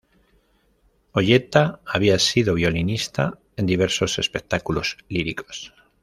Olleta había sido violinista en diversos espectáculos líricos.